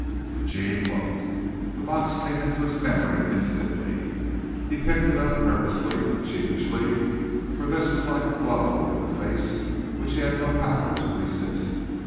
Eugene looked. The box came to his memory instantly. He picked it up nervously, sheepishly, for this was like a blow in the face which he had no power to resist.